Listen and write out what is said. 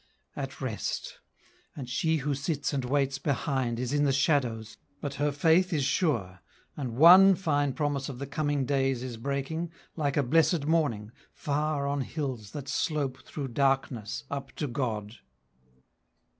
At rest! And she who sits and waits behind Is in the shadows; but her faith is sure, And one fine promise of the coming days Is breaking, like a blessed morning, far On hills that "slope through darkness up to God."